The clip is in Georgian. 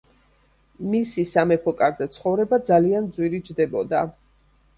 მისი სამეფო კარზე ცხოვრება ძალიან ძვირი ჯდებოდა.